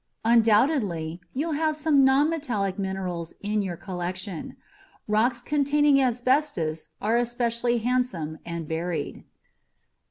Undoubtedly, you'll have some nonmetallic minerals in your collection. Rocks containing asbestos are especially handsome and varied.